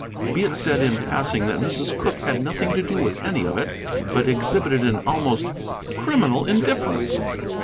Be it said in passing that Mrs. Cooke had nothing to do with any of it, but exhibited an almost criminal indifference.